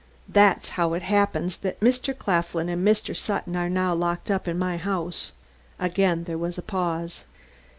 That's how it happens that Mr. Claflin and Mr. Sutton are now locked up in my house." Again there was a pause.